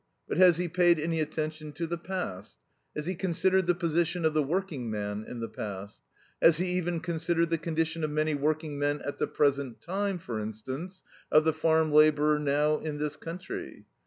But has he paid any attention to the past? Has he considered the position of the working man in the past? Has he even considered the condition of many working men at the present time, for instance, of the farm labourer now in this country?